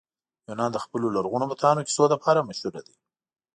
یونان د خپلو لرغونو بتانو کیسو لپاره مشهوره دی.